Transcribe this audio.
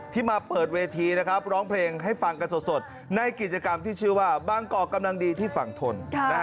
มาเปิดเวทีนะครับร้องเพลงให้ฟังกันสดในกิจกรรมที่ชื่อว่าบางกอกกำลังดีที่ฝั่งทน